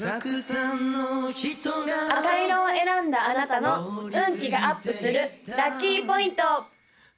赤色を選んだあなたの運気がアップするラッキーポイント！